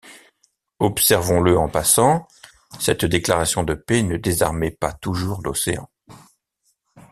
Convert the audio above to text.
Observons-le en passant, cette déclaration de paix ne désarmait pas toujours l’océan.